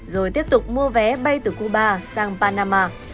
rồi tiếp tục mua vé bay từ cuba sang panama